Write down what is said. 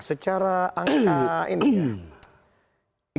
secara angka ini ya